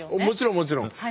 もちろんもちろん。